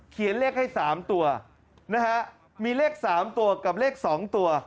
เลขให้๓ตัวนะฮะมีเลข๓ตัวกับเลข๒ตัว